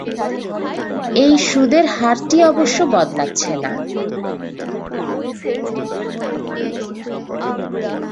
এই সুদের হারটি অবশ্য বদলাচ্ছে না।